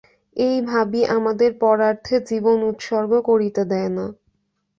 এই ভাবই আমাদের পরার্থে জীবন উৎসর্গ করিতে দেয় না।